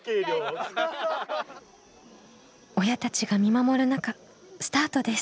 親たちが見守る中スタートです。